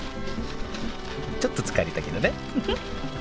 ちょっと疲れたけどね